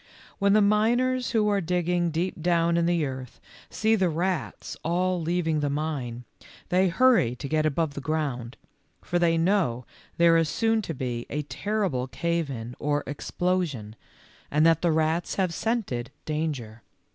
When the miners who are digging deep down in the earth see the rats all leaving the mine, they hurry to get above the ground, for they know there is soon to be a terrible cave in or explosion, and that the rats have scented dan ger.